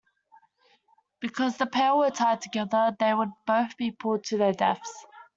Because the pair were tied together, they would both be pulled to their deaths.